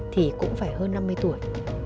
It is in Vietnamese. thì cũng phải hơn năm mươi tuổi